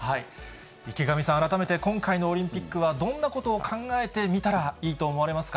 池上さん、改めて今回のオリンピックはどんなことを考えてみたらいいと思われますか？